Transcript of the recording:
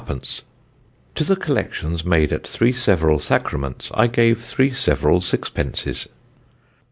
_ "To the collections made at 3 several sacraments I gave 3 several sixpences."